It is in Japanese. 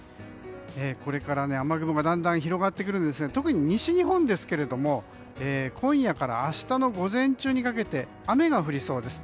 これから雨雲がだんだん広がってくるんですが特に西日本ですけれども今夜から明日の午前中にかけて雨が降りそうです。